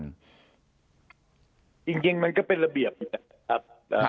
จริงมันก็เป็นระเบียบอยู่นะครับ